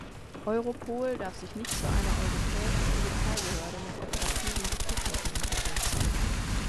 Europol darf sich nicht zu einer europäischen Polizeibehörde mit operativen Befugnissen entwickeln.